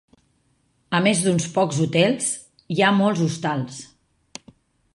A més d'uns pocs hotels, hi ha molts hostals.